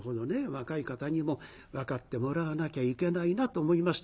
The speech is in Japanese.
若い方にも分かってもらわなきゃいけないなと思いましてね